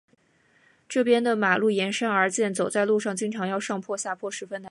这边的马路沿山而建，走在路上经常要上坡下坡，十分难走。